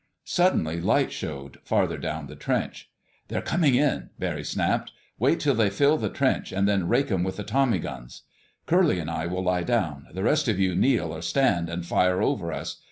Suddenly light showed, farther down the trench. "They're coming in!" Barry snapped. "Wait till they fill the trench, and then rake 'em with the tommy guns. Curly and I will lie down; the rest of you kneel or stand and fire over us.